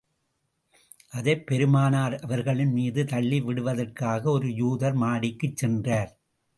அதைப் பெருமானார் அவர்களின் மீது தள்ளி விடுவதற்காக, ஒரு யூதர் மாடிக்குச் சென்றார்.